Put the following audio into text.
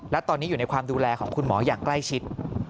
และตอนนี้อยู่ในความดูแลของคุณหมออย่างใกล้ชิด